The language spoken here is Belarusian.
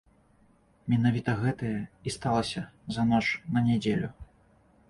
Менавіта гэтае і сталася за ноч на нядзелю.